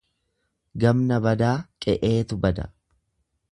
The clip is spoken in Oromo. Gamna badaa qe'eetu bada.